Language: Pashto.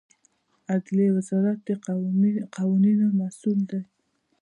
عدلیې وزارت د قوانینو مسوول دی